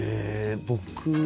僕。